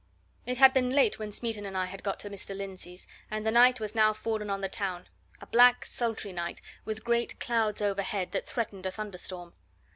It had been late when Smeaton and I had got to Mr. Lindsey's, and the night was now fallen on the town a black, sultry night, with great clouds overhead that threatened a thunderstorm.